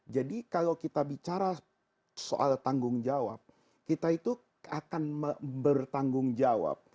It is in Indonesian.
jadi kalau kita bicara soal tanggung jawab kita itu akan bertanggung jawab